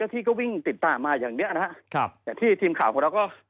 และทางก็วิ่งติดตามมาอย่างนี้นะครับ